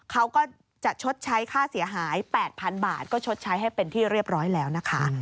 เขาก็จะชดใช้ค่าเสียหาย๘๐๐๐บาทก็ชดใช้ให้เป็นที่เรียบร้อยแล้วนะคะ